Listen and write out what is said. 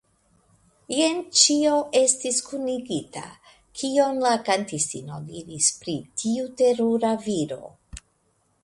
jen ĉio estis kunigita, kion la kantistino diris pri tiu terura viro.